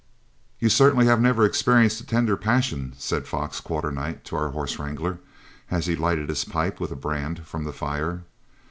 "You certainly have never experienced the tender passion," said Fox Quarternight to our horse wrangler, as he lighted his pipe with a brand from the fire.